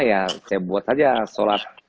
saya buat saja solat